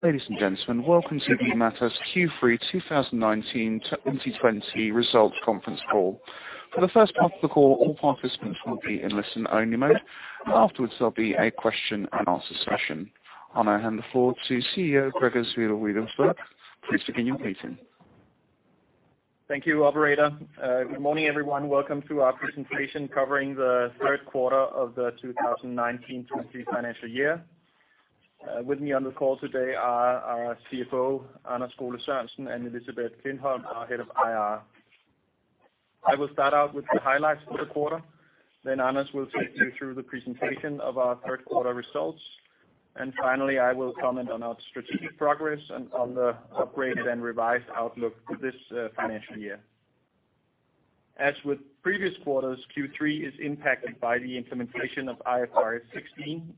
Ladies and gentlemen, welcome to the Matas Q3 2019/2020 Results Conference Call. For the first part of the call, all participants will be in listen-only mode. Afterwards, there'll be a question and answer session. I'll now hand the floor to CEO, Gregers Wedell-Wedellsborg. Please begin your meeting. Thank you, Operator. Good morning, everyone. Welcome to our Presentation Covering the Third Quarter of the 2019/2020 Financial Year. With me on the call today are our CFO, Anders Skole-Sørensen, and Elisabeth Klintholm, our Head of IR. I will start out with the highlights for the quarter, then Anders will take you through the presentation of our third quarter results, and finally, I will comment on our strategic progress and on the upgraded and revised outlook for this financial year. As with previous quarters, Q3 is impacted by the implementation of IFRS 16.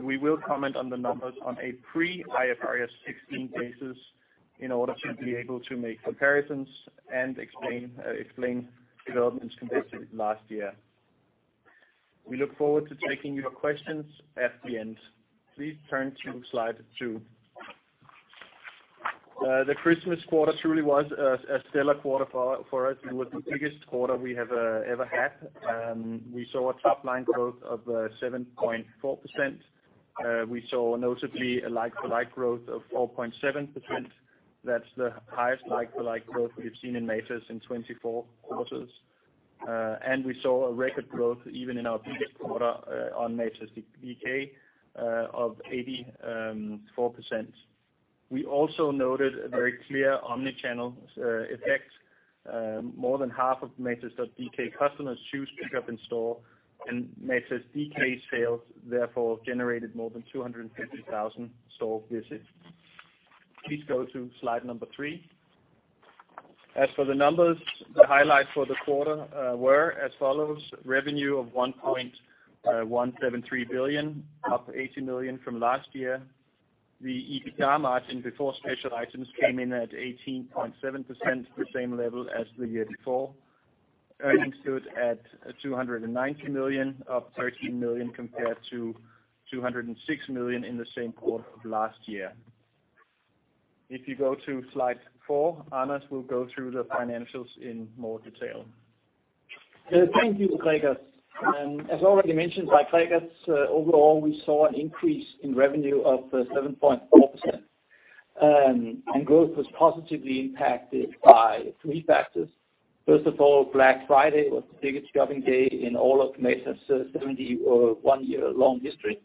We will comment on the numbers on a pre-IFRS 16 basis in order to be able to make comparisons and explain developments compared to last year. We look forward to taking your questions at the end. Please turn to slide two. The Christmas quarter truly was a stellar quarter for us. It was the biggest quarter we have ever had. We saw a top-line growth of 7.4%. We saw notably a like-for-like growth of 4.7%. That's the highest like-for-like growth we've seen in Matas in 24 quarters. We saw a record growth even in our biggest quarter on matas.dk of 84%. We also noted a very clear omni-channel effect. More than half of matas.dk customers choose pickup in store, and matas.dk sales therefore generated more than 250,000 store visits. Please go to slide number three. As for the numbers, the highlights for the quarter were as follows: revenue of 1.173 billion, up 80 million from last year. The EBITDA margin before special items came in at 18.7%, the same level as the year before. Earnings stood at 219 million, up 13 million compared to 206 million in the same quarter of last year. If you go to slide four, Anders will go through the financials in more detail. Thank you, Gregers. As already mentioned by Gregers, overall we saw an increase in revenue of 7.4%, and growth was positively impacted by three factors. First of all, Black Friday was the biggest shopping day in all of Matas' 71-year-long history.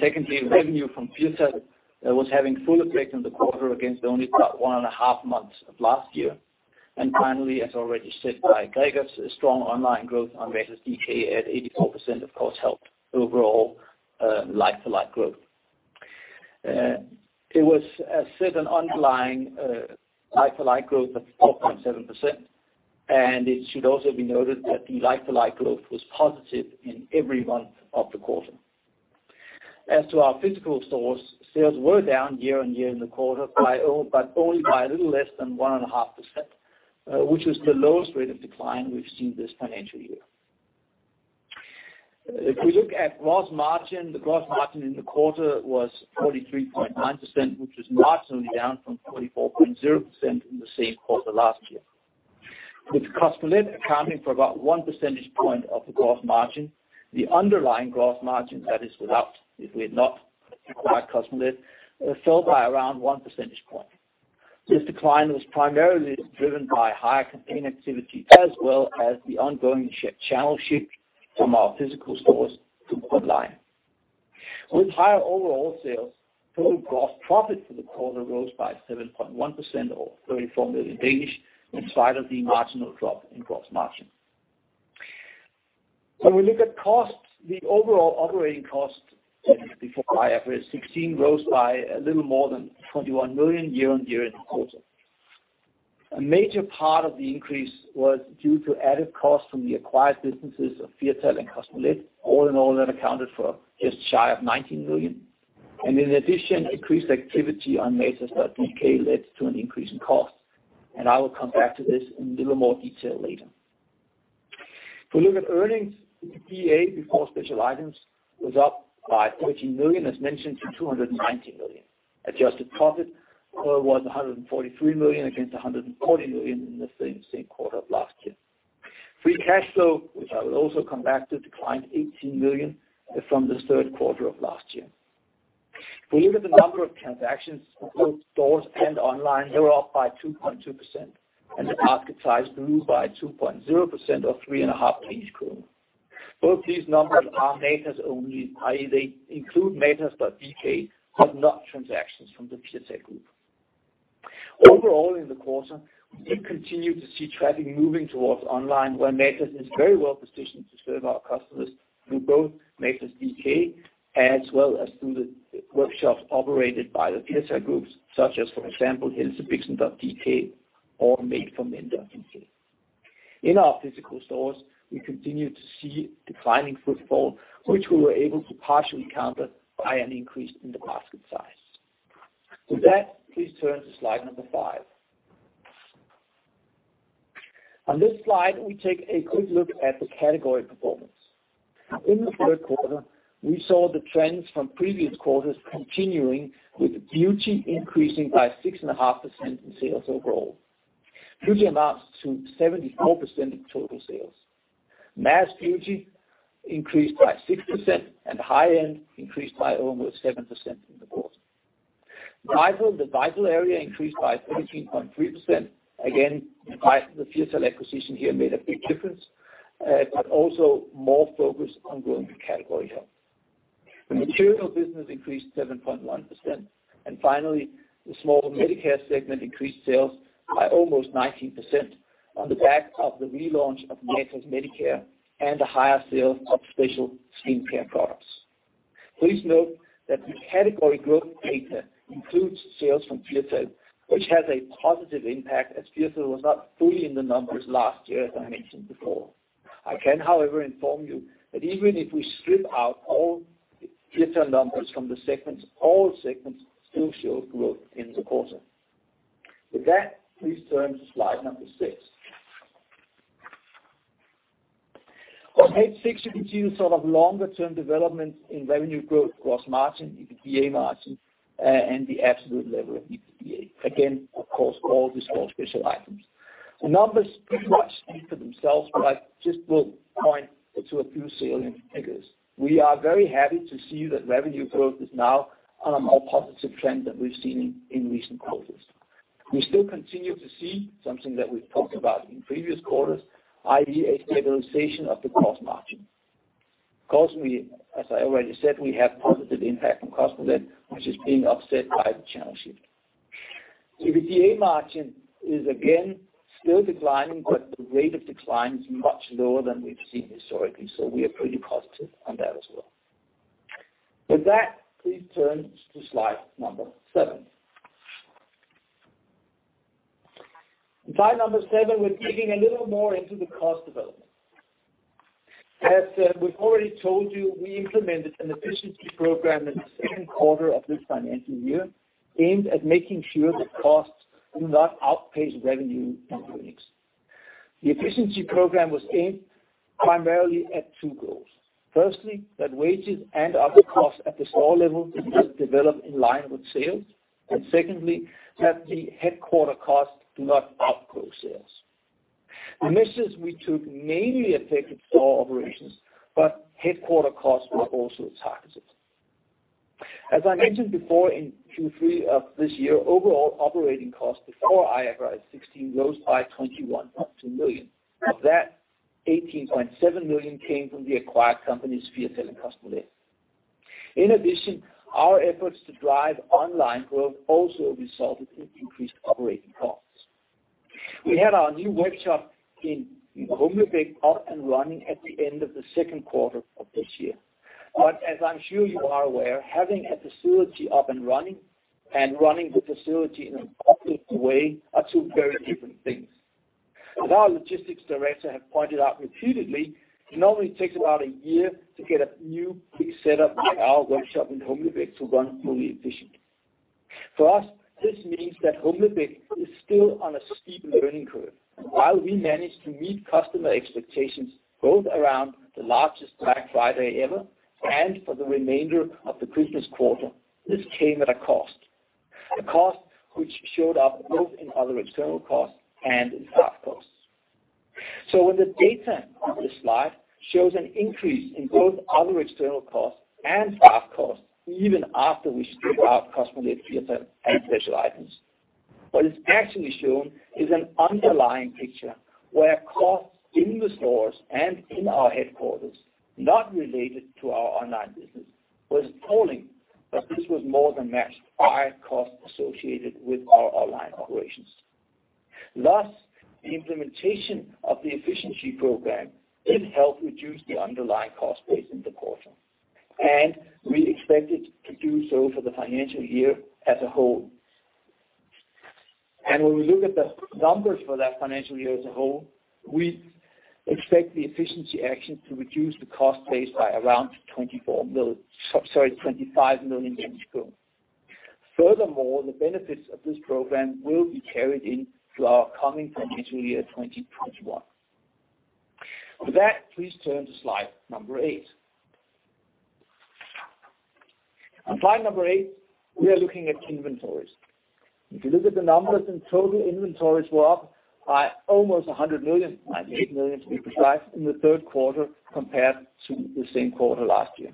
Secondly, revenue from Firtal was having full effect in the quarter against only about one and a half months of last year. Finally, as already said by Gregers, strong online growth on matas.dk at 84% of course helped overall like-for-like growth. It was a certain underlying like-for-like growth of 4.7%, and it should also be noted that the like-for-like growth was positive in every month of the quarter. As to our physical stores, sales were down year-on-year in the quarter, but only by a little less than 1.5%, which was the lowest rate of decline we've seen this financial year. If we look at gross margin, the gross margin in the quarter was 43.9%, which was marginally down from 44.0% in the same quarter last year. With Firtal accounting for about 1 percentage point of the gross margin, the underlying gross margin, that is without if we had not acquired Firtal, fell by around one percentage point. This decline was primarily driven by higher campaign activity as well as the ongoing channel shift from our physical stores to online. With higher overall sales, total gross profit for the quarter rose by 7.1% or 34 million, in spite of the marginal drop in gross margin. When we look at costs, the overall operating cost before IFRS 16 rose by a little more than 21 million year-over-year in the quarter. A major part of the increase was due to added costs from the acquired businesses of Kosmolet and Firtal. All in all, that accounted for just shy of 19 million. In addition, increased activity on matas.dk led to an increase in cost. I will come back to this in a little more detail later. We look at earnings, the EBITDA before special items was up by 14 million, as mentioned, to 219 million. Adjusted profit was 143 million against 140 million in the same quarter of last year. Free cash flow, which I will also come back to, declined 18 million from the third quarter of last year. We look at the number of transactions for both stores and online, they were up by 2.2%, and the basket size grew by 2.0% or 3.5. Both these numbers are Matas only, i.e., they include matas.dk, but not transactions from the Firtal Group. Overall in the quarter, we did continue to see traffic moving towards online, where Matas is very well positioned to serve our customers through both matas.dk as well as through the workshops operated by the Firtal Group, such as, for example, helsebixen.dk or made4men.dk. In our physical stores, we continued to see declining footfall, which we were able to partially counter by an increase in the basket size. With that, please turn to slide number five. On this slide, we take a quick look at the category performance. In the third quarter, we saw the trends from previous quarters continuing, with beauty increasing by 6.5% in sales overall. Beauty amounts to 74% of total sales. Mass beauty increased by 6%, and high-end increased by almost 7% in the quarter. The Vital area increased by 13.3%. The Firtal acquisition here made a big difference, but also more focus on growing the category health. The Material Shop business increased 7.1%. Finally, the small MediCare segment increased sales by almost 19% on the back of the relaunch of Matas MediCare and the higher sales of special skincare products. Please note that the category growth data includes sales from Firtal, which has a positive impact, as Firtal was not fully in the numbers last year, as I mentioned before. I can, however, inform you that even if we strip out all Firtal numbers from the segments, all segments still show growth in the quarter. With that, please turn to slide number six. On page six, you can see sort of longer-term developments in revenue growth, cost margin, EBITDA margin, and the absolute level of EBITDA. The numbers pretty much speak for themselves, but I just will point to a few salient figures. We are very happy to see that revenue growth is now on a more positive trend than we've seen in recent quarters. We still continue to see something that we've talked about in previous quarters, i.e., a stabilization of the cost margin. Cost, as I already said, we have positive impact from Kosmolet, which is being offset by the channel shift. EBITDA margin is again still declining, but the rate of decline is much lower than we've seen historically, so we are pretty positive on that as well. With that, please turn to slide number seven. In slide number seven, we're digging a little more into the cost development. As we've already told you, we implemented an efficiency program in the second quarter of this financial year aimed at making sure that costs do not outpace revenue in Matas. The efficiency program was aimed primarily at two goals. Firstly, that wages and other costs at the store level develop in line with sales. Secondly, that the headquarter costs do not outgrow sales. The measures we took mainly affected store operations. Headquarter costs were also targeted. As I mentioned before, in Q3 of this year, overall operating costs before IFRS 16 rose by 21.2 million. Of that, 18.7 million came from the acquired companies Firtal and Kosmolet. In addition, our efforts to drive online growth also resulted in increased operating costs. We had our new logistics center in Holme-Olstrup up and running at the end of the second quarter of this year. As I'm sure you are aware, having a facility up and running and running the facility in an optimal way are two very different things. As our logistics director have pointed out repeatedly, it normally takes about a year to get a new big setup like our logistics center in Holme-Olstrup to run fully efficiently. For us, this means that Holme-Olstrup is still on a steep learning curve. While we managed to meet customer expectations both around the largest Black Friday ever and for the remainder of the Christmas quarter, this came at a cost, a cost which showed up both in other external costs and in staff costs. When the data on this slide shows an increase in both other external costs and staff costs, even after we strip out Kosmolet, Firtal, and special items, what is actually shown is an underlying picture where costs in the stores and in our headquarters, not related to our online business, was falling, but this was more than matched by costs associated with our online operations. The implementation of the efficiency program did help reduce the underlying cost base in the quarter, and we expect it to do so for the financial year as a whole. When we look at the numbers for that financial year as a whole, we expect the efficiency action to reduce the cost base by around 24 million, sorry, 25 million. Furthermore, the benefits of this program will be carried into our coming financial year 2021. For that, please turn to slide number eight. On slide number eight, we are looking at inventories. If you look at the numbers, then total inventories were up by almost 100 million, 98 million to be precise, in the third quarter compared to the same quarter last year.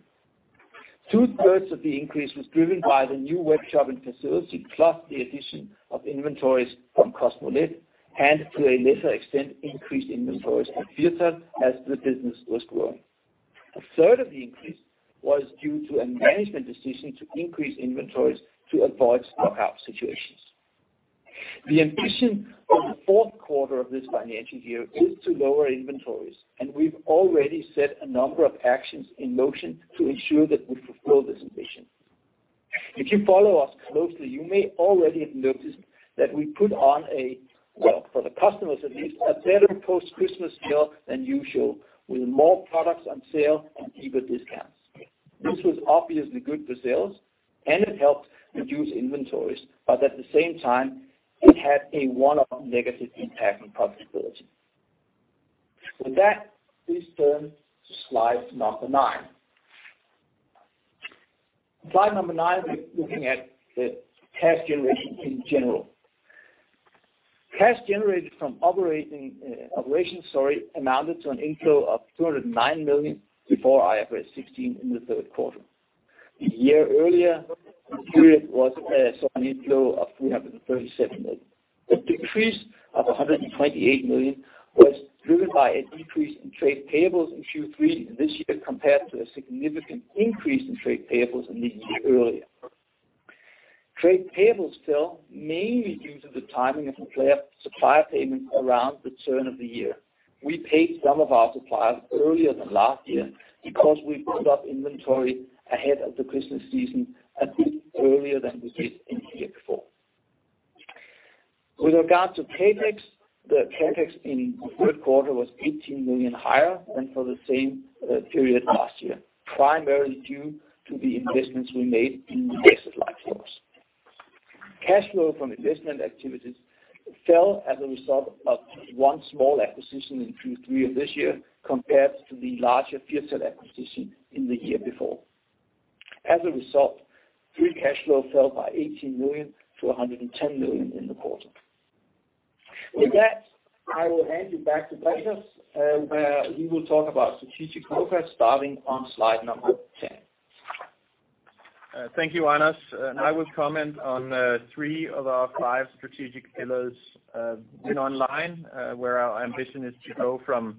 2/3 of the increase was driven by the new warehouse and facility, plus the addition of inventories from Kosmolet and, to a lesser extent, increased inventories at Firtal as the business was growing. 1/3 of the increase was due to a management decision to increase inventories to avoid stock-out situations. The ambition for the fourth quarter of this financial year is to lower inventories, and we've already set a number of actions in motion to ensure that we fulfill this ambition. If you follow us closely, you may already have noticed that we put on a, well, for the customers at least, a better post-Christmas sale than usual, with more products on sale and even discounts. This was obviously good for sales, and it helped reduce inventories. At the same time, it had a one-off negative impact on profitability. With that, please turn to slide number nine. Slide number nine, we're looking at the cash generation in general. Cash generated from operations amounted to an inflow of 209 million before IFRS 16 in the third quarter. The year earlier period saw an inflow of 337 million. The decrease of 128 million was driven by a decrease in trade payables in Q3 this year compared to a significant increase in trade payables in the year earlier. Trade payables fell mainly due to the timing of supplier payments around the turn of the year. We paid some of our suppliers earlier than last year because we built up inventory ahead of the Christmas season a bit earlier than we did in the year before. With regard to CapEx, the CapEx in the third quarter was 18 million higher than for the same period last year, primarily due to the investments we made in asset light stores. Cash flow from investment activities fell as a result of one small acquisition in Q3 of this year compared to the larger Firtal acquisition in the year before. As a result, free cash flow fell by 18 million to 110 million in the quarter. With that, I will hand you back to Gregers, where he will talk about strategic progress starting on slide number 10. Thank you, Anders. I will comment on three of our five strategic pillars. Win online, where our ambition is to go from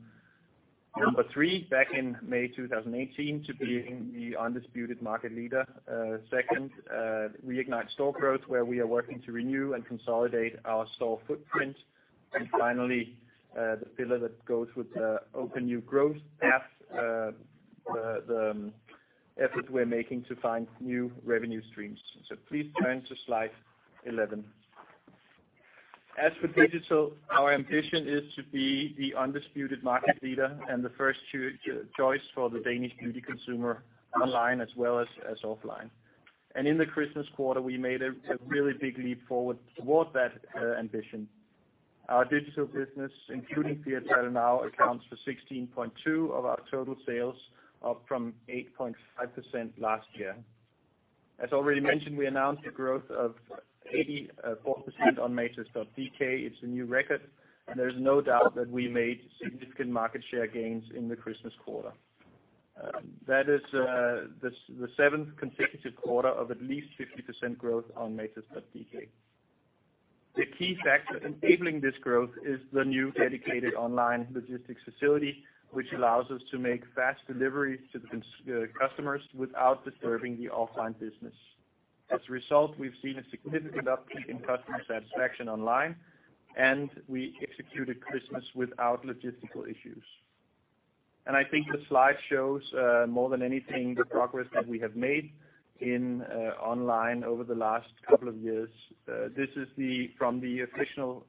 number three back in May 2018 to being the undisputed market leader. Second, reignite store growth, where we are working to renew and consolidate our store footprint. Finally, the pillar that goes with the open new growth path, the effort we're making to find new revenue streams. Please turn to Slide 11. As for digital, our ambition is to be the undisputed market leader and the first choice for the Danish beauty consumer online as well as offline. In the Christmas quarter, we made a really big leap forward toward that ambition. Our digital business, including Firtal now accounts for 16.2% of our total sales, up from 8.5% last year. As already mentioned, we announced a growth of 84% on matas.dk. It's a new record, and there's no doubt that we made significant market share gains in the Christmas quarter. That is the seventh consecutive quarter of at least 50% growth on matas.dk. The key factor enabling this growth is the new dedicated online logistics facility, which allows us to make fast deliveries to the customers without disturbing the offline business. As a result, we've seen a significant uptick in customer satisfaction online, and we executed Christmas without logistical issues. I think the slide shows more than anything the progress that we have made in online over the last couple of years. This is from the official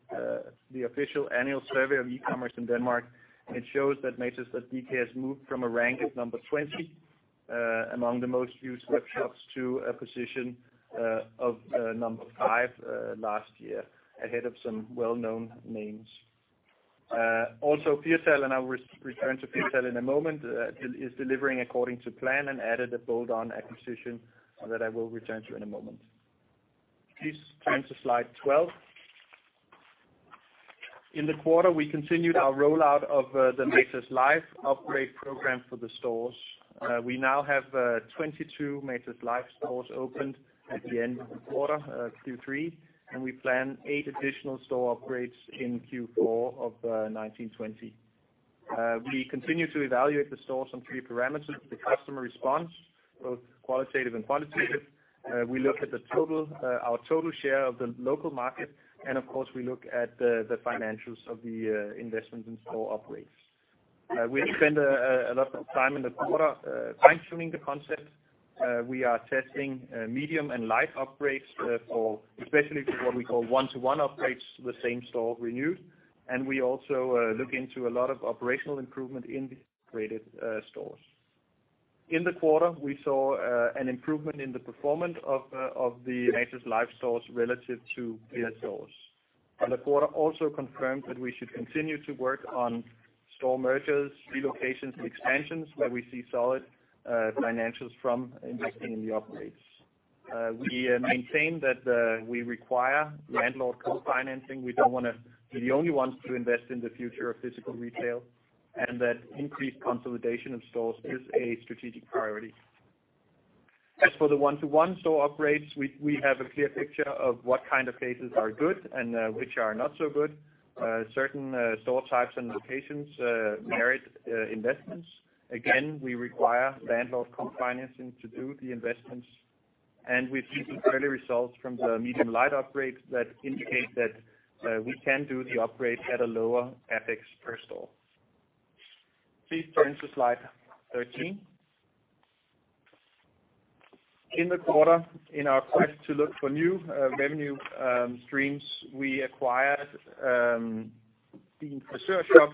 annual survey of e-commerce in Denmark. It shows that matas.dk has moved from a rank of number 20 among the most used web shops to a position of number five last year, ahead of some well-known names. Firtal, and I will return to Firtal in a moment, is delivering according to plan and added a bolt-on acquisition that I will return to in a moment. Please turn to slide 12. In the quarter, we continued our rollout of the Matas LIVE upgrade program for the stores. We now have 22 Matas LIVE stores opened at the end of the quarter, Q3, and we plan eight additional store upgrades in Q4 of 2019/2020. We continue to evaluate the stores on three parameters, the customer response, both qualitative and quantitative. We look at our total share of the local market, and of course, we look at the financials of the investments in store upgrades. We have spent a lot of time in the quarter fine-tuning the concept. We are testing medium and light upgrades, especially for what we call one-to-one upgrades to the same store renewed. We also look into a lot of operational improvement in the upgraded stores. In the quarter, we saw an improvement in the performance of the Matas LIVE stores relative to Firtal stores. The quarter also confirmed that we should continue to work on store mergers, relocations, and expansions, where we see solid financials from investing in the upgrades. We maintain that we require landlord co-financing. We don't want to be the only ones to invest in the future of physical retail. That increased consolidation of stores is a strategic priority. As for the one-to-one store upgrades, we have a clear picture of what kind of cases are good and which are not so good. Certain store types and locations merit investments. Again, we require landlord co-financing to do the investments, and we've seen some early results from the medium light upgrades that indicate that we can do the upgrades at a lower OpEx per store. Please turn to slide 13. In the quarter, in our quest to look for new revenue streams, we acquired the Frisørshop,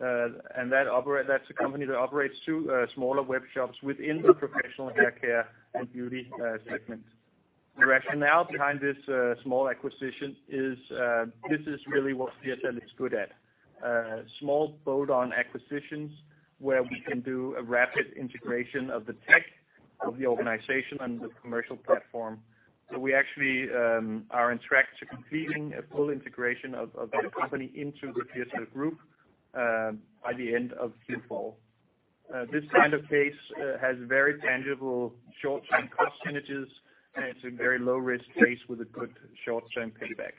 and that's a company that operates two smaller web shops within the professional hair care and beauty segment. The rationale behind this small acquisition is this is really what Firtal is good at. Small bolt-on acquisitions where we can do a rapid integration of the tech, of the organization, and the commercial platform. We actually are on track to completing a full integration of that company into the Firtal Group by the end of Q4. This kind of case has very tangible short-term cost synergies, and it's a very low-risk case with a good short-term payback.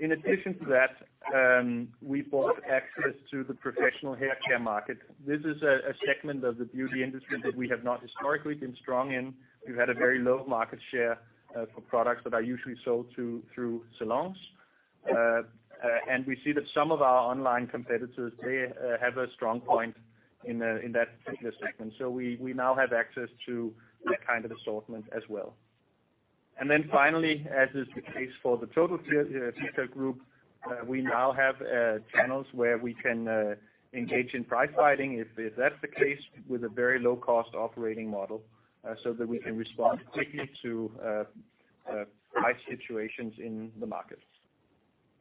In addition to that, we bought access to the professional hair care market. This is a segment of the beauty industry that we have not historically been strong in. We've had a very low market share for products that are usually sold through salons. We see that some of our online competitors, they have a strong point in that particular segment, so we now have access to that kind of assortment as well. Then finally, as is the case for the total Firtal Group, we now have channels where we can engage in price fighting, if that's the case, with a very low-cost operating model so that we can respond quickly to price situations in the markets.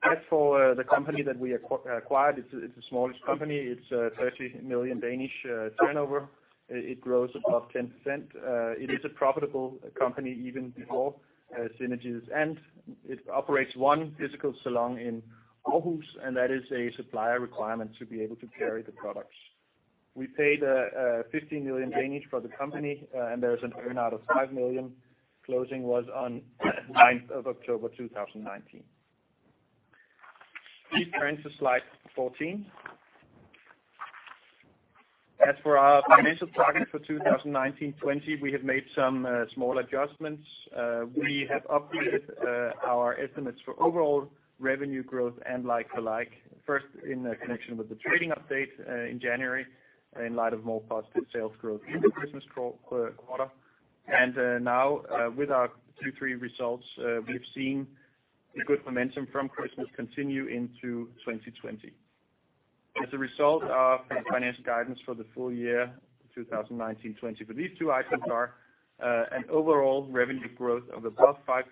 As for the company that we acquired, it's the smallest company. It's 30 million turnover. It grows above 10%. It is a profitable company even before synergies, and it operates one physical salon in Aarhus, and that is a supplier requirement to be able to carry the products. We paid 15 million for the company, and there is an earn-out of 5 million. Closing was on the 9th of October 2019. Please turn to slide 14. As for our financial targets for 2019/2020, we have made some small adjustments. We have updated our estimates for overall revenue growth and like-for-like, first in connection with the trading update in January in light of more positive sales growth in the Christmas quarter. Now with our Q3 results, we've seen the good momentum from Christmas continue into 2020. As a result of the financial guidance for the full year 2019/2020 for these two items are: an overall revenue growth of above 5%,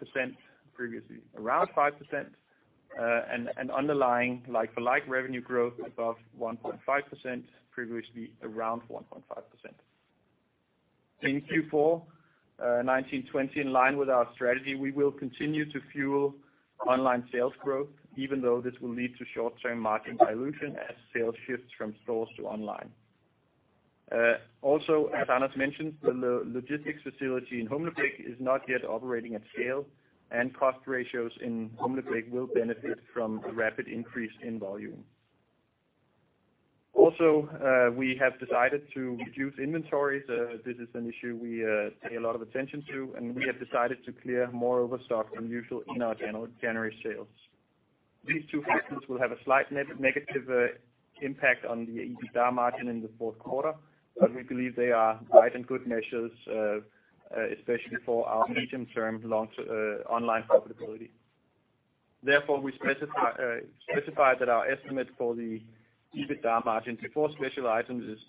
previously around 5%, and an underlying like-for-like revenue growth above 1.5%, previously around 1.5%. In Q4 2019/2020, in line with our strategy, we will continue to fuel online sales growth, even though this will lead to short-term margin dilution as sales shifts from stores to online. As Anders mentioned, the logistics facility in Holme-Olstrup is not yet operating at scale, and cost ratios in Holme-Olstrup will benefit from a rapid increase in volume. We have decided to reduce inventories. This is an issue we pay a lot of attention to, and we have decided to clear more overstock than usual in our January sales. These two factors will have a slight negative impact on the EBITDA margin in the fourth quarter, but we believe they are right and good measures, especially for our medium-term online profitability. Therefore, we specify that our estimate for the EBITDA margin before special items is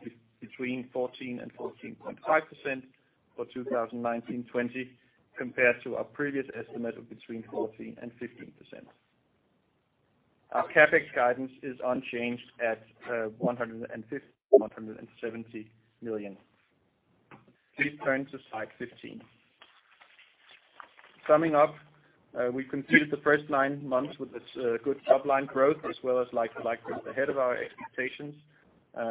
between 14% and 14.5% for 2019/20, compared to our previous estimate of between 14% and 15%. Our CapEx guidance is unchanged at 150 million-170 million. Please turn to slide 15. Summing up, we concluded the first nine months with this good top-line growth as well as like-to-like growth ahead of our expectations.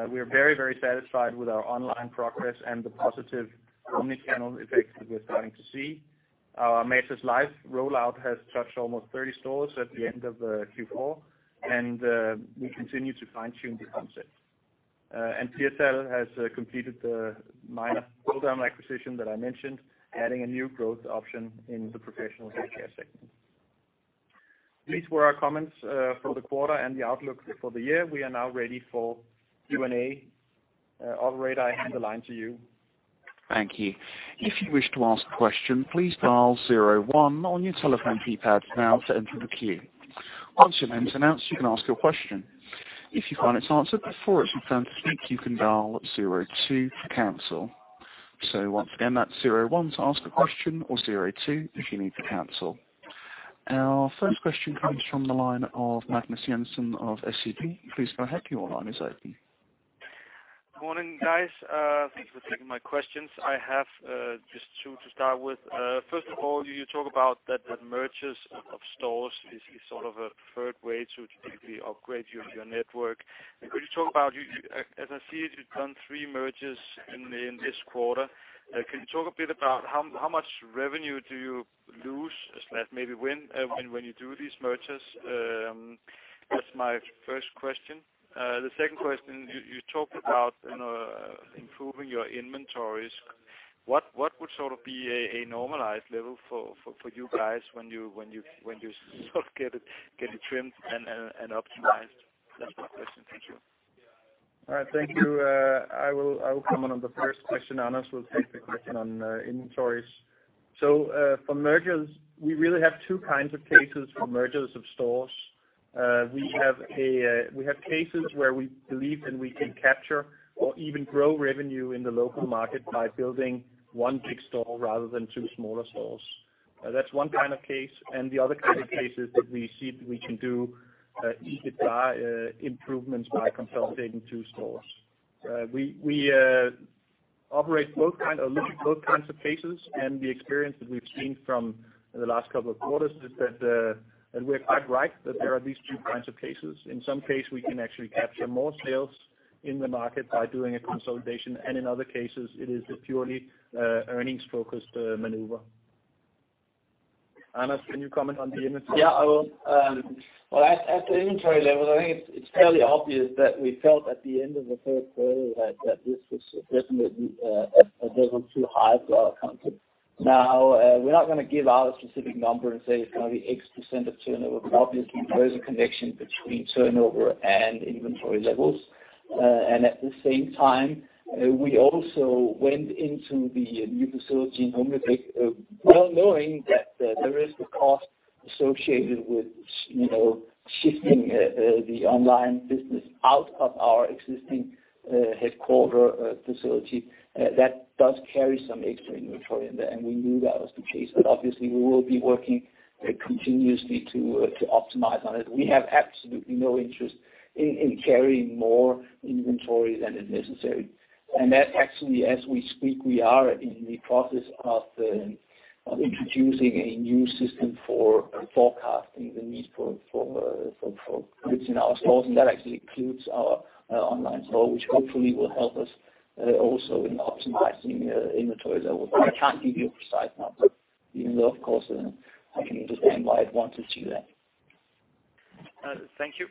We are very satisfied with our online progress and the positive omni-channel effects that we are starting to see. Our Matas LIVE rollout has touched almost 30 stores at the end of Q4, and we continue to fine-tune the concept. Firtal has completed the minor bolt-on acquisition that I mentioned, adding a new growth option in the professional hair care segment. These were our comments for the quarter and the outlook for the year. We are now ready for Q&A. Operator, I hand the line to you. Thank you. If you wish to ask a question, please dial zero one on your telephone keypad now to enter the queue. Once your name is announced, you can ask your question. If you find it's answered before it's returned to you can dial zero two to cancel. Once again, that's zero one to ask a question or zero two if you need to cancel. Our first question comes from the line of Magnus Jensen of SEB. Please go ahead, your line is open. Morning, guys. Thanks for taking my questions. I have just two to start with. First of all, you talk about that the mergers of stores is sort of a preferred way to deeply upgrade your network. Could you talk about, as I see it, you've done three mergers in this quarter. Can you talk a bit about how much revenue do you lose/maybe win when you do these mergers? That's my first question. The second question, you talked about improving your inventories. What would sort of be a normalized level for you guys when you sort of get it trimmed and optimized? That's my question. Thank you. All right. Thank you. I will comment on the first question. Anders will take the question on inventories. For mergers, we really have two kinds of cases for mergers of stores. We have cases where we believe that we can capture or even grow revenue in the local market by building one big store rather than two smaller stores. That's one kind of case. The other kind of case is that we see that we can do EBITDA improvements by consolidating two stores. We look at both kinds of cases, and the experience that we've seen from the last couple of quarters is that we're quite right that there are at least two kinds of cases. In some case, we can actually capture more sales in the market by doing a consolidation, and in other cases, it is a purely earnings-focused maneuver. Anders, can you comment on the inventory? Yeah, I will. Well, at the inventory level, I think it's fairly obvious that we felt at the end of the third quarter that this was definitely a level too high for our comfort. We're not going to give out a specific number and say it's going to be X percent of turnover, but obviously there is a connection between turnover and inventory levels. At the same time, we also went into the new facility in Holme-Olstrup well knowing that there is a cost associated with shifting the online business out of our existing headquarter facility. That does carry some extra inventory in there, and we knew that was the case, but obviously we will be working continuously to optimize on it. We have absolutely no interest in carrying more inventory than is necessary. That actually, as we speak, we are in the process of introducing a new system for forecasting the need for goods in our stores, and that actually includes our online store, which hopefully will help us also in optimizing inventory level. I can't give you a precise number, even though of course, I can understand why you'd want to see that. Thank you.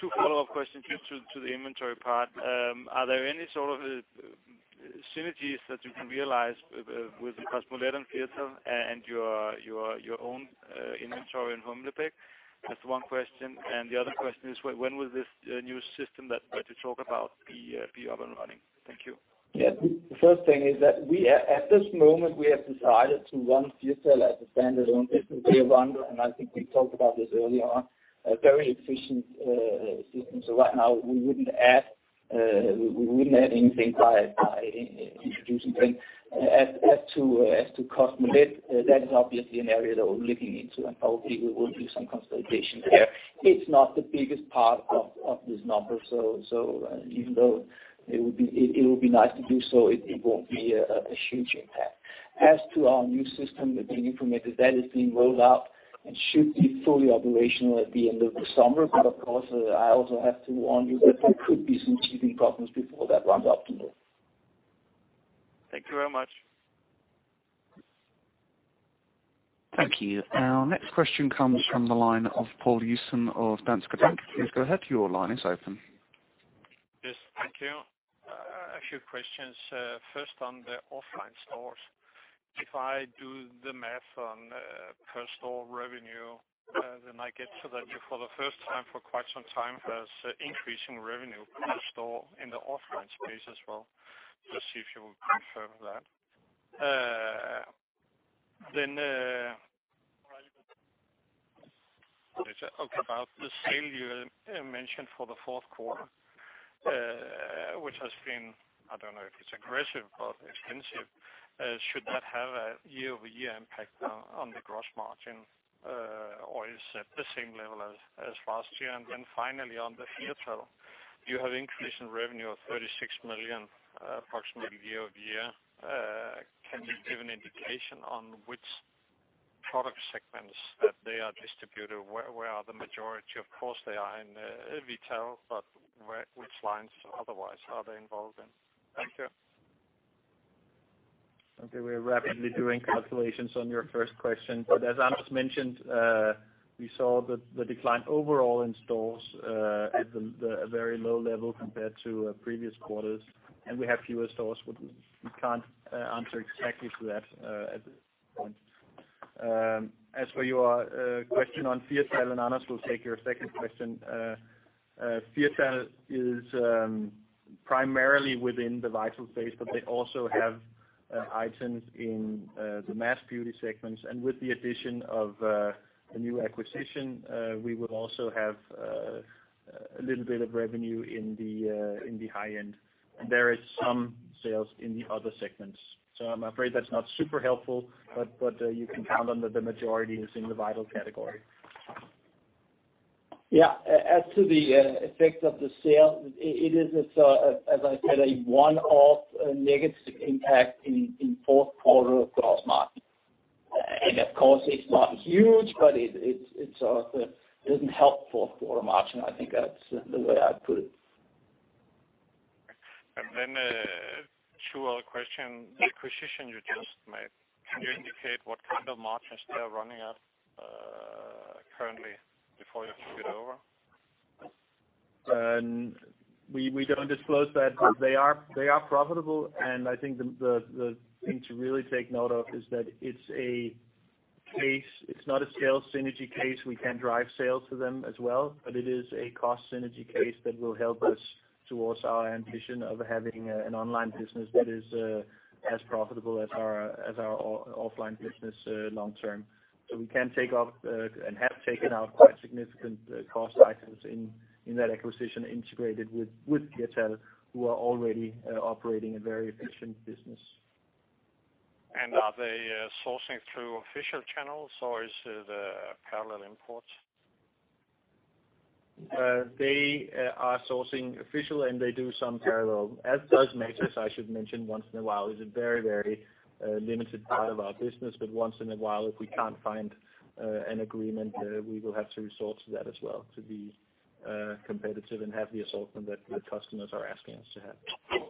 Two follow-up questions to the inventory part. Are there any sort of synergies that you can realize with the Kosmolet Firtal and your own inventory in Holme-Olstrup? That's one question. The other question is when will this new system that you talk about be up and running? Thank you. The first thing is that at this moment, we have decided to run Firtal as a standalone business. We run, and I think we talked about this earlier on, a very efficient system. Right now we wouldn't add anything by introducing things. As to Kosmolet, that is obviously an area that we're looking into and hopefully we will do some consolidation there. It's not the biggest part of this number, so even though it would be nice to do so, it won't be a huge impact. As to our new system that's being implemented, that is being rolled out and should be fully operational at the end of the summer. Of course, I also have to warn you that there could be some teething problems before that runs optimally. Thank you very much. Thank you. Our next question comes from the line of Poul Jessen of Danske Bank. Please go ahead. Your line is open. Yes. Thank you. A few questions. First on the offline stores, if I do the math on per store revenue, then I get to that for the first time for quite some time, there's increasing revenue per store in the offline space as well. Just see if you will confirm that. About the sale you mentioned for the fourth quarter, which has been, I don't know if it's aggressive or extensive, should that have a year-over-year impact on the gross margin? Or is it at the same level as last year? Finally on the Firtal, you have increase in revenue of 36 million, approximately year-over-year. Can you give an indication on which product segments that they are distributed? Where are the majority? Of course, they are in Vital, but which lines otherwise are they involved in? Thank you. Okay, we are rapidly doing calculations on your first question, but as Anders mentioned, we saw that the decline overall in stores at a very low level compared to previous quarters, and we have fewer stores, we can't answer exactly to that at this point. As for your question on Firtal, and Anders will take your second question. Firtal is primarily within the Vital Shop, but they also have items in the Mass Beauty segments. With the addition of the new acquisition, we will also have a little bit of revenue in the high end. There is some sales in the other segments, so I'm afraid that's not super helpful. You can count on that the majority is in the Vital Shop. Yeah. As to the effect of the sale, it is, as I said, a one-off negative impact in fourth quarter gross margin. Of course, it's not huge, but it isn't helpful for our margin. I think that's the way I'd put it. Then two other questions. The acquisition you just made, can you indicate what kind of margins they are running at currently before you took it over? We don't disclose that. They are profitable. I think the thing to really take note of is that it's a case. It's not a sales synergy case. We can drive sales to them as well. It is a cost synergy case that will help us towards our ambition of having an online business that is as profitable as our offline business long term. We can take off, and have taken out quite significant cost items in that acquisition integrated with Firtal, who are already operating a very efficient business. Are they sourcing through official channels, or is it a parallel import? They are sourcing official and they do some parallel, as does Matas, I should mention once in a while. It's a very limited part of our business, but once in a while, if we can't find an agreement, we will have to resort to that as well to be competitive and have the assortment that the customers are asking us to have.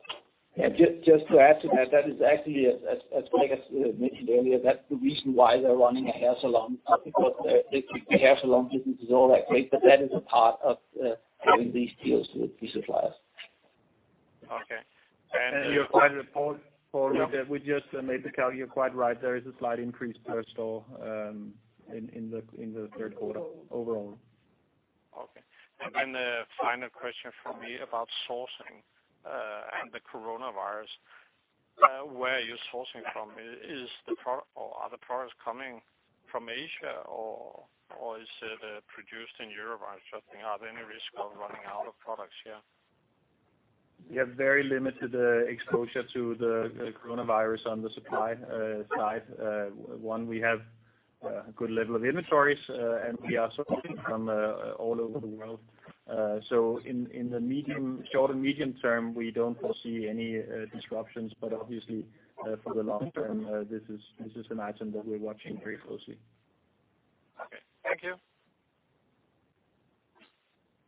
Yeah, just to add to that is actually, as Gregers mentioned earlier, that's the reason why they're running a hair salon, because the hair salon business is all that great, but that is a part of doing these deals with the suppliers. Okay. Your final report for... We just made the count. You're quite right, there is a slight increase per store in the third quarter overall. Okay. The final question from me about sourcing and the coronavirus. Where are you sourcing from? Are the products coming from Asia or is it produced in Europe? I was just thinking, are there any risk of running out of products here? We have very limited exposure to the coronavirus on the supply side. One, we have a good level of inventories, and we are sourcing from all over the world. In the short and medium term, we don't foresee any disruptions, but obviously, for the long term, this is an item that we're watching very closely. Okay. Thank you.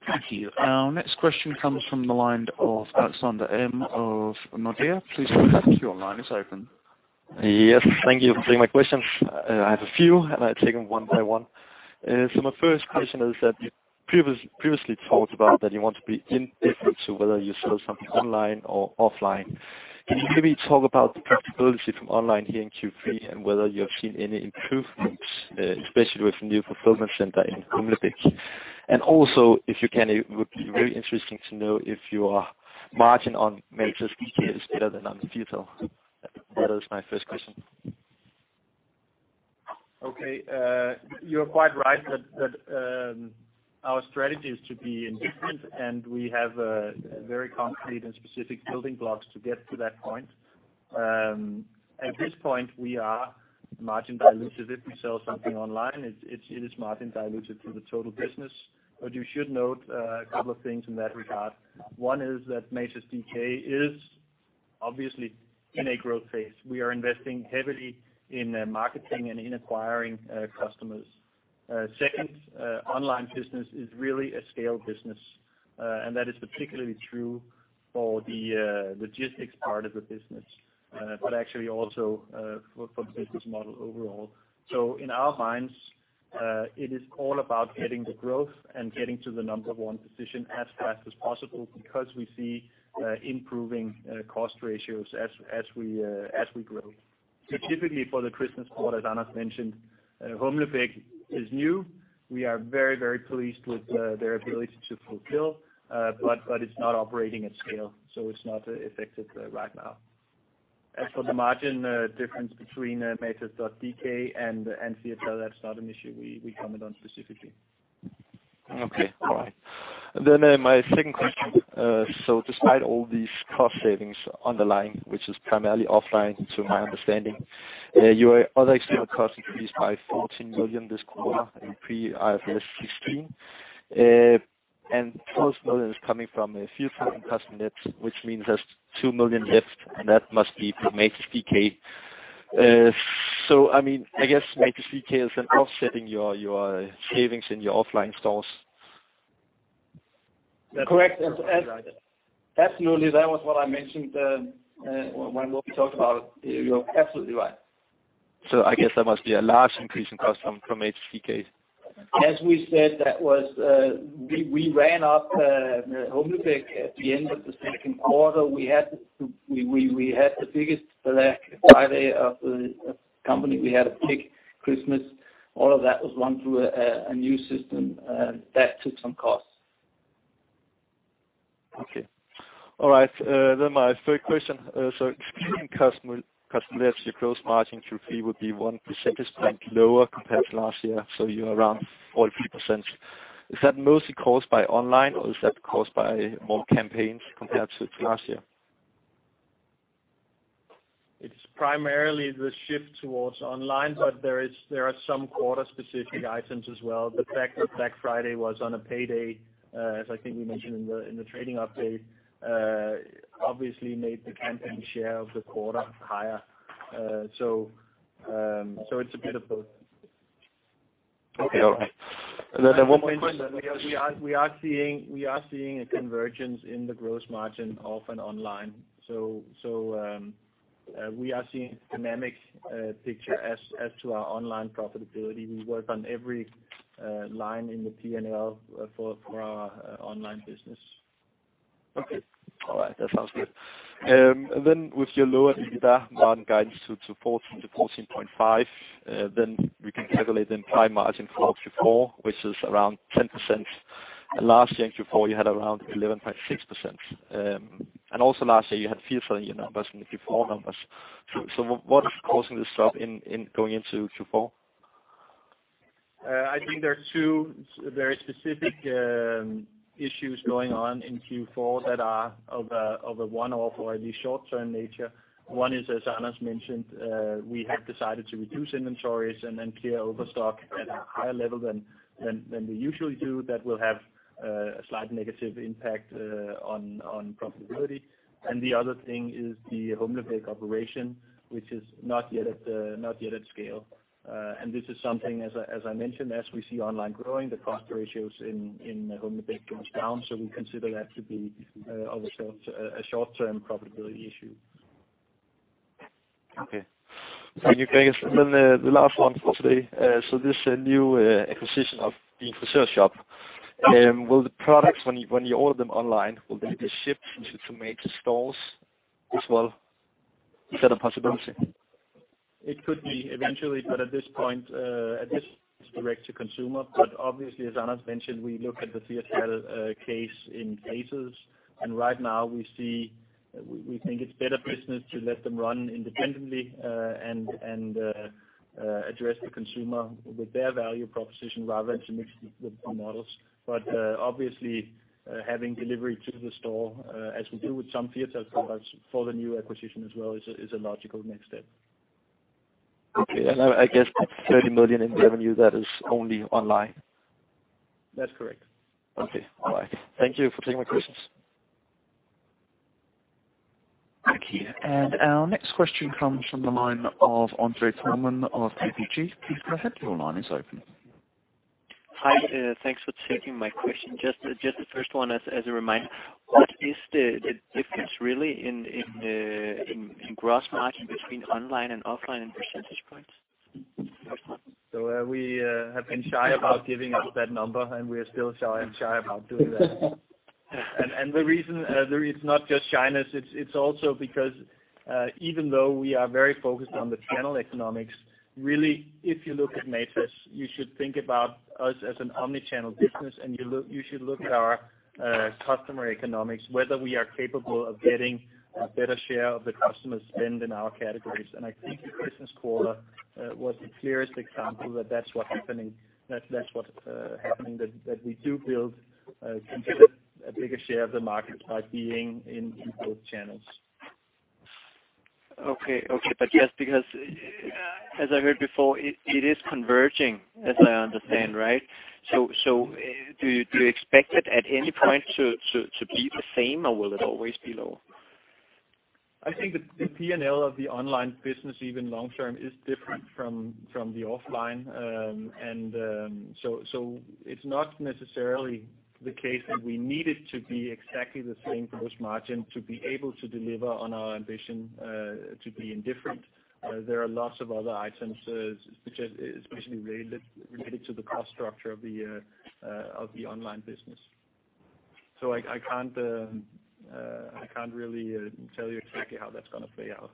Thank you. Our next question comes from the line of Alexander M. of Nordea. Please go ahead, your line is open. Thank you for taking my questions. I have a few, I take them one by one. My first question is that you previously talked about that you want to be indifferent to whether you sell something online or offline. Can you maybe talk about the profitability from online here in Q3 and whether you have seen any improvements, especially with the new fulfillment center in Holme-Olstrup? Also, if you can, it would be very interesting to know if your margin on matas.dk is better than on Firtal. That is my first question. Okay. You're quite right that our strategy is to be indifferent, and we have very concrete and specific building blocks to get to that point. At this point, we are margin dilutive. If we sell something online, it is margin dilutive to the total business. You should note a couple of things in that regard. One is that matas.dk is obviously in a growth phase. We are investing heavily in marketing and in acquiring customers. Second, online business is really a scale business. That is particularly true for the logistics part of the business but actually also for the business model overall. In our minds, it is all about getting the growth and getting to the number one position as fast as possible because we see improving cost ratios as we grow. Typically for the Christmas quarter, as Anders mentioned, Holme-Olstrup is new. We are very pleased with their ability to fulfill, but it's not operating at scale, so it's not effective right now. As for the margin difference between matas.dk and Firtal, that's not an issue we comment on specifically. Okay. All right. My second question. Despite all these cost savings underlying, which is primarily offline to my understanding, your other external costs increased by 14 million this quarter in pre-IFRS 16. 12 million is coming from a Firtal in Kosmolet, which means there's 2 million left, and that must be matas.dk. I guess matas.dk is then offsetting your savings in your offline stores. Correct. That's right. Absolutely. That was what I mentioned when we talked about it. You're absolutely right. I guess that must be a large increase in cost from matas dk. As we said, we ran up Holme-Olstrup at the end of the second quarter. We had the biggest Black Friday of the company. We had a big Christmas. All of that was run through a new system. That took some costs. Okay. My third question. Excluding Kosmolet, your gross margin Q3 would be one percentage point lower compared to last year, so you're around 43%. Is that mostly caused by online, or is that caused by more campaigns compared to last year? It's primarily the shift towards online, but there are some quarter specific items as well. The fact that Black Friday was on a payday, as I think we mentioned in the trading update, obviously made the campaign share of the quarter higher. It's a bit of both. Okay. All right. Then one more question. We are seeing a convergence in the gross margin off and online. We are seeing a dynamic picture as to our online profitability. We work on every line in the P&L for our online business. Okay. All right. That sounds good. With your lower EBITDA margin guidance to 14%-14.5%, we can calculate prime margin for Q4, which is around 10%. Last year in Q4, you had around 11.6%. Last year you had Firtal in your numbers and the Q4 numbers. What is causing this drop going into Q4? I think there are two very specific issues going on in Q4 that are of a one-off or at least short-term nature. One is, as Anders mentioned, we have decided to reduce inventories and then clear overstock at a higher level than we usually do. That will have a slight negative impact on profitability. The other thing is the Holme-Olstrup operation, which is not yet at scale. This is something, as I mentioned, as we see online growing, the cost ratios in Holme-Olstrup goes down, so we consider that to be a short-term profitability issue. Okay. The last one for today. This new acquisition of the Frisørshop, will the products, when you order them online, will they be shipped to Matas stores as well? Is that a possibility? It could be eventually, but at this point, direct to consumer. Obviously, as Anders mentioned, we look at the Firtal case in phases, and right now we think it's better business to let them run independently and address the consumer with their value proposition rather than to mix the two models. Obviously, having delivery to the store, as we do with some Firtal products for the new acquisition as well is a logical next step. Okay. I guess the 30 million in revenue, that is only online. That's correct. Okay. All right. Thank you for taking my questions. Thank you. Our next question comes from the line of Andre Tolman of ABG. Please go ahead. Your line is open. Hi. Thanks for taking my question. Just the first one as a reminder, what is the difference really in gross margin between online and offline in percentage points? We have been shy about giving out that number, and we are still shy about doing that. The reason it's not just shyness, it's also because even though we are very focused on the channel economics, really, if you look at Matas, you should think about us as an omni-channel business, and you should look at our customer economics, whether we are capable of getting a better share of the customer spend in our categories. I think the Christmas quarter was the clearest example that that's what's happening, that we do build a bigger share of the market by being in both channels. Okay. Just because as I heard before, it is converging as I understand, right? Do you expect it at any point to be the same or will it always be low? I think the P&L of the online business even long term is different from the offline. It's not necessarily the case that we need it to be exactly the same gross margin to be able to deliver on our ambition to be indifferent. There are lots of other items, especially related to the cost structure of the online business. I can't really tell you exactly how that's going to play out.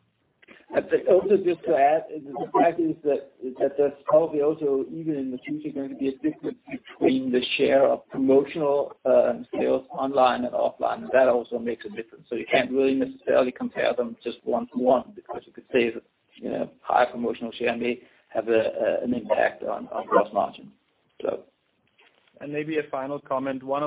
Just to add is the fact is that there's probably also, even in the future, going to be a difference between the share of promotional sales online and offline, and that also makes a difference. You can't really necessarily compare them just one to one because you could say high promotional share may have an impact on gross margin. Maybe a final comment, one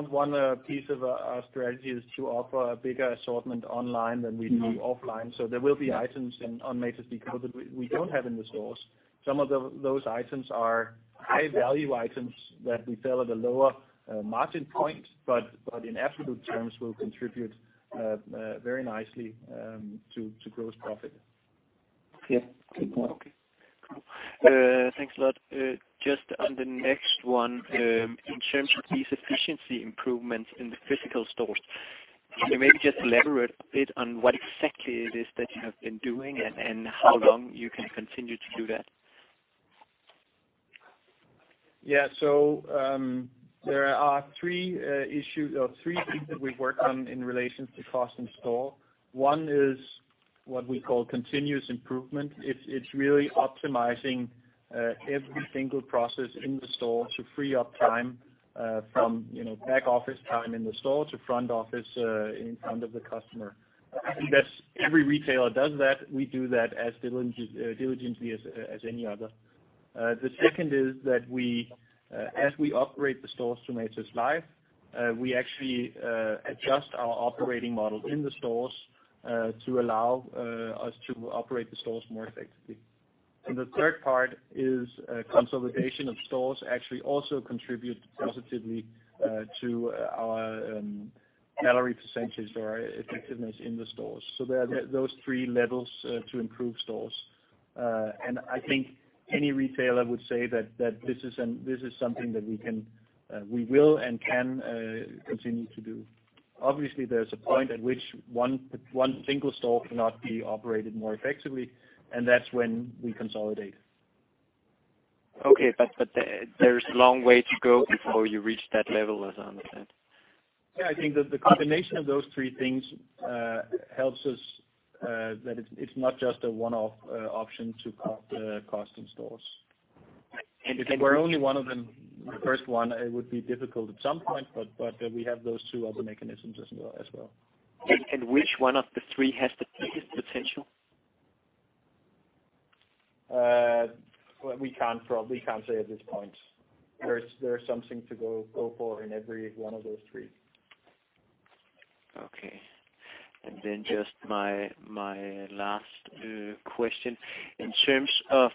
piece of our strategy is to offer a bigger assortment online than we do offline. There will be items on matas.dk that we don't have in the stores. Some of those items are high-value items that we sell at a lower margin point, but in absolute terms, will contribute very nicely to gross profit. Yeah. Good point. Okay. Cool. Thanks a lot. Just on the next one, in terms of these efficiency improvements in the physical stores, can you maybe just elaborate a bit on what exactly it is that you have been doing and how long you can continue to do that? Yeah. There are three things that we work on in relation to cost in store. One is what we call continuous improvement. It's really optimizing every single process in the store to free up time from back office time in the store to front office in front of the customer. I think every retailer does that. We do that as diligently as any other. The second is that as we operate the stores to Matas LIVE, we actually adjust our operating model in the stores to allow us to operate the stores more effectively. The third part is consolidation of stores actually also contributes positively to our salary percentages or our effectiveness in the stores. There are those three levels to improve stores. I think any retailer would say that this is something that we will and can continue to do. Obviously, there's a point at which one single store cannot be operated more effectively, and that's when we consolidate. Okay. There's a long way to go before you reach that level, as I understand. I think that the combination of those three things helps us, that it's not just a one-off option to cut costs in stores. If it were only one of them, the first one, it would be difficult at some point, but we have those two other mechanisms as well. Which one of the three has the biggest potential? We probably can't say at this point. There's something to go for in every one of those three. Okay. Just my last question. In terms of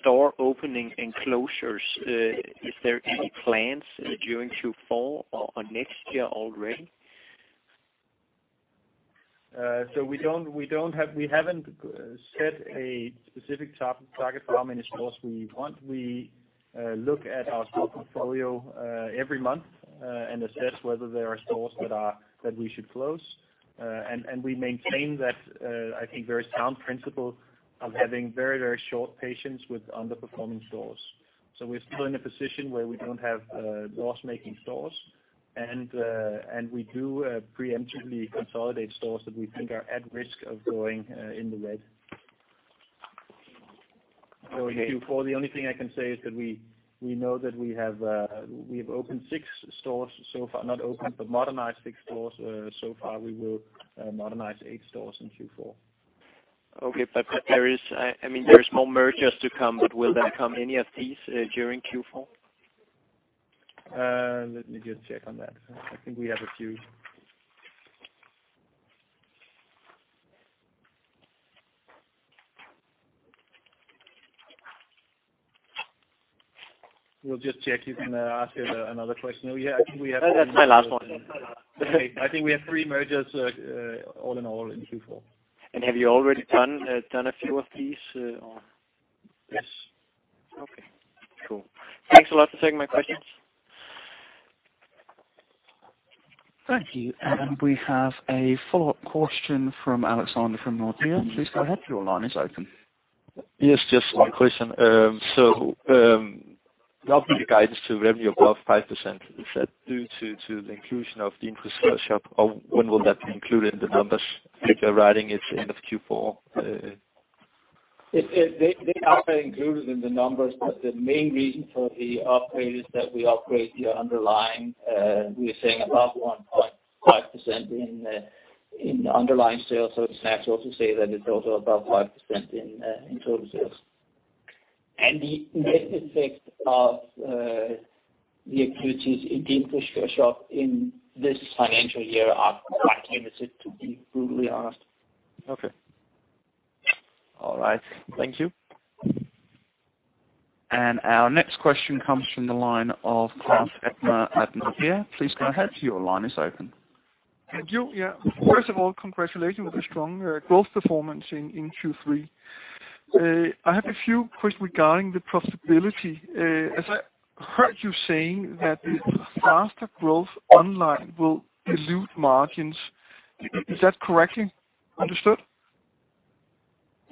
store opening and closures, is there any plans during Q4 or next year already? We haven't set a specific target for how many stores we want. We look at our store portfolio every month and assess whether there are stores that we should close. We maintain that, I think, very sound principle of having very short patience with underperforming stores. We're still in a position where we don't have loss-making stores, and we do preemptively consolidate stores that we think are at risk of going in the red. Going to Q4, the only thing I can say is that we know that we've opened six stores so far, not opened, but modernized six stores so far. We will modernize eight stores in Q4. Okay. There is more mergers to come, but will there come any of these during Q4? Let me just check on that. I think we have a few. We'll just check. You can ask another question. That's my last one. Okay. I think we have three mergers all in all in Q4. Have you already done a few of these? Yes. Okay, cool. Thanks a lot for taking my questions. Thank you. We have a follow-up question from Alexander from Nordea. Please go ahead. Your line is open. Yes, just one question. The obvious guidance to revenue above 5%, is that due to the inclusion of the increased Frisørshop, or when will that be included in the numbers? If you're writing it's end of Q4. They are included in the numbers, but the main reason for the upgrade is that we upgrade the underlying. We are saying above 1.5% in underlying sales, so it's natural to say that it's also above 5% in total sales. The net effect of the acquisitions in the increased Frisørshop in this financial year are quite limited, to be brutally honest. Okay. All right. Thank you. Our next question comes from the line of Claus Egtved from ABN AMRO. Please go ahead. Your line is open. Thank you. Yeah. First of all, congratulations on the strong growth performance in Q3. I have a few questions regarding the profitability. As I heard you saying that the faster growth online will dilute margins. Is that correctly understood?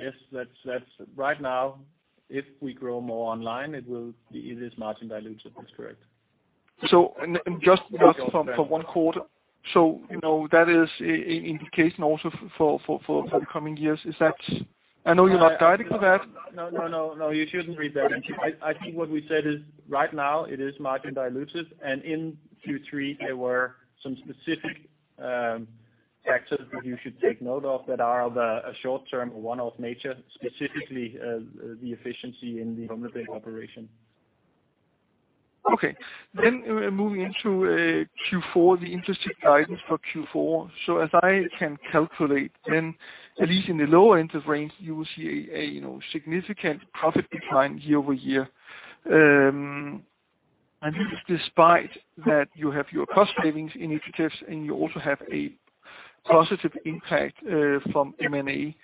Yes. Right now, if we grow more online, it is margin dilutive, that's correct. Just for one quarter. That is an indication also for the coming years. I know you're not guiding for that. You shouldn't read that into it. I think what we said is right now it is margin dilutive, and in Q3, there were some specific factors that you should take note of that are of a short-term, one-off nature, specifically the efficiency in the Holme-Olstrup operation. Okay. Moving into Q4, the interesting guidance for Q4. As I can calculate, at least in the lower end of range, you will see a significant profit decline year-over-year. This is despite that you have your cost savings initiatives, and you also have a positive impact from M&A.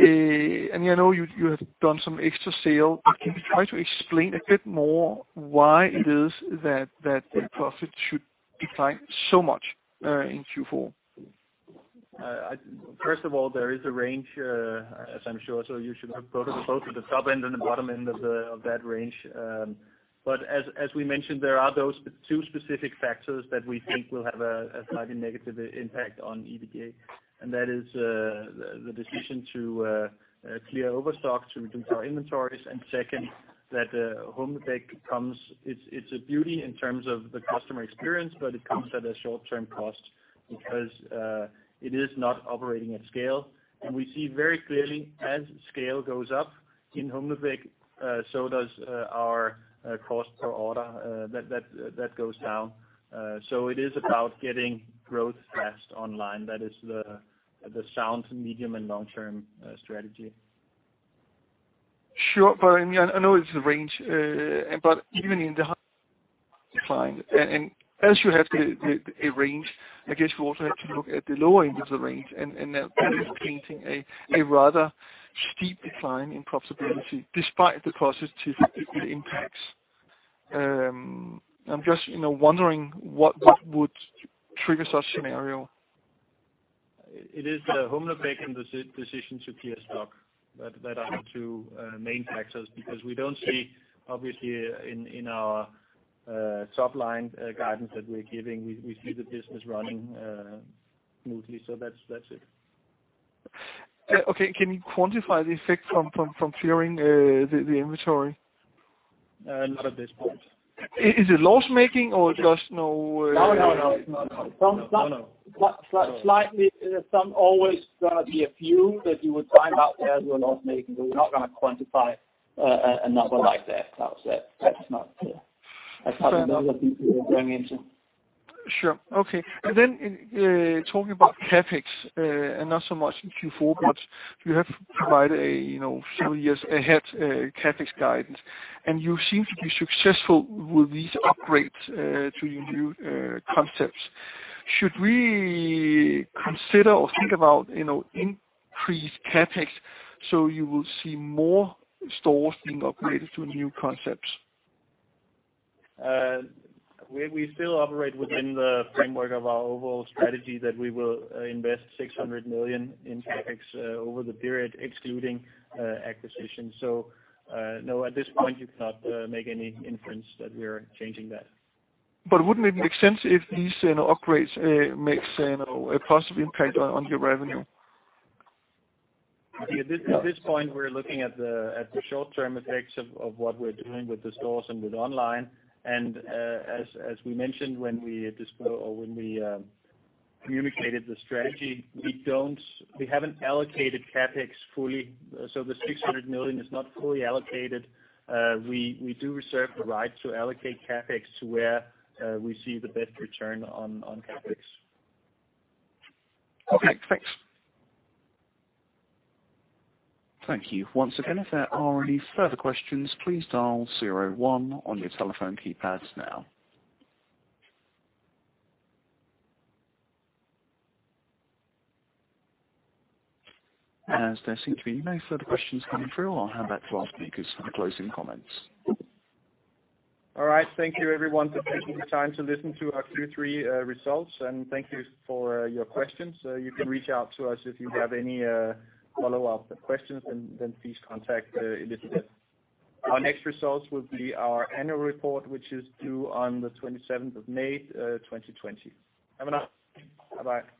I know you have done some extra sale. Can you try to explain a bit more why it is that the profit should decline so much in Q4? First of all, there is a range, as I'm sure. You should have both the top end and the bottom end of that range. As we mentioned, there are those two specific factors that we think will have a slightly negative impact on EBITDA. That is the decision to clear overstock to reduce our inventories. Second, that Holme-Olstrup, it's a beauty in terms of the customer experience, but it comes at a short-term cost because it is not operating at scale. We see very clearly as scale goes up in Holme-Olstrup, so does our cost per order. That goes down. It is about getting growth fast online. That is the sound medium and long-term strategy. Sure. I know it's a range. Even in the high decline, as you have a range, I guess you also have to look at the lower end of the range. That is painting a rather steep decline in profitability despite the positive impacts. I'm just wondering what would trigger such scenario? It is the Holme-Olstrup and the decision to clear stock. That are the two main factors, because we don't see, obviously, in our top line guidance that we're giving, we see the business running smoothly. That's it. Okay. Can you quantify the effect from clearing the inventory? Not at this point. Is it loss-making or just no...? No, it's not. No. Slightly. Some always going to be a few that you would find out there that were loss-making, but we're not going to quantify a number like that. That's not something we are going into. Sure. Okay. Talking about CapEx, and not so much in Q4, but you have provided a several years ahead CapEx guidance, and you seem to be successful with these upgrades to your new concepts. Should we consider or think about increased CapEx, so you will see more stores being upgraded to new concepts? We still operate within the framework of our overall strategy that we will invest 600 million in CapEx over the period, excluding acquisition. No, at this point, you cannot make any inference that we are changing that. Wouldn't it make sense if these upgrades makes a positive impact on your revenue? At this point, we're looking at the short-term effects of what we're doing with the stores and with online. As we mentioned when we disclosed or when we communicated the strategy, we haven't allocated CapEx fully. The 600 million is not fully allocated. We do reserve the right to allocate CapEx to where we see the best return on CapEx. Okay, thanks. Thank you. Once again, if there are any further questions, please dial zero one on your telephone keypads now. As there seem to be no further questions coming through, I'll hand back to our speakers for the closing comments. All right. Thank you everyone for taking the time to listen to our Q3 results, thank you for your questions. You can reach out to us if you have any follow-up questions, please contact Elisabeth. Our next results will be our annual report, which is due on the 27th of May 2020. Have a nice day. Bye-bye